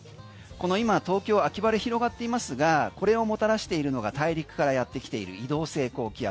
この今、東京秋晴れで広がっていますがこれをもたらしているのが大陸からやってきている移動性高気圧。